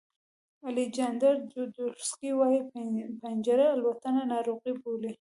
الیجاندرو جودروسکي وایي پنجره الوتنه ناروغي بولي.